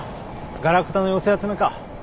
ガラクタの寄せ集めか。